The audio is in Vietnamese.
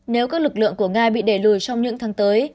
nếu các lực lượng của nga bị đẩy lùi trong những tháng tới